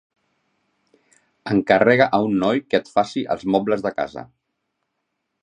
Encarrega a un noi que et faci els mobles de casa.